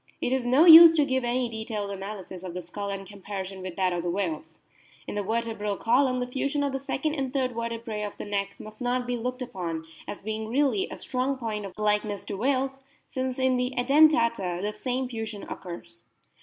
It is no use to give any detailed analysis of the skull and comparison with that of the whales. In the vertebral column the fusion of the second and third vertebrse of the neck must not be looked upon as being really a strong point of likeness to whales, since in the Edentata the same fusion occurs.